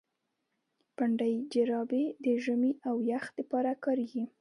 پنډي جراپي د ژمي او يخ د پاره کاريږي.